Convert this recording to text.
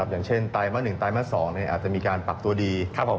อย่างเช่นไตรมาส๑ไตรมาส๒อาจจะมีการปรับตัวดี